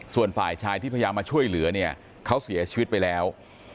ส่วนฝ่ายชายที่พยายามมาช่วยเหลือเนี่ยเขาเสียชีวิตไปแล้ว